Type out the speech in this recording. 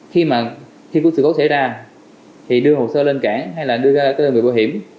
khi mà sự cố xảy ra thì đưa hồ sơ lên cảng hay là đưa ra các đơn vị bảo hiểm